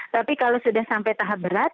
tapi kalau sudah sampai tahap berat